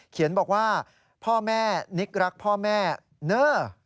เขียนบอกว่าพ่อแม่นิกรักพ่อแม่เนอะ